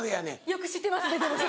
よく知ってますね。